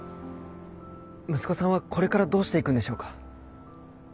息子さんはこれからどうしていくんでしょうか。